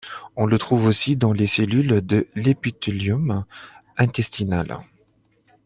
On le trouve aussi dans les cellules de l'épithélium intestinal.